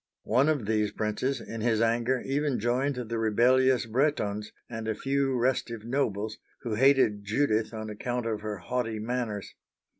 One of these princes, in his anger, even joined the rebellious Bretons and a few restive nobles, who hated Judith on account of her haughty manners.